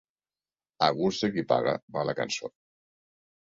A gust de qui paga va la cançó.